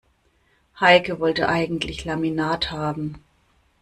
Heike wollte eigentlich Laminat haben.